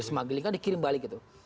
smagling kan dikirim balik gitu